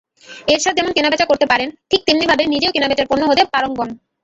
এরশাদ যেমন কেনাবেচা করতে পারেন, ঠিক তেমনিভাবে নিজেও কেনাবেচার পণ্য হতে পারঙ্গম।